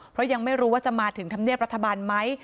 เพราะยังไม่รู้ว่าจะมาถึงธรรมเนียบรัฐบาลไหม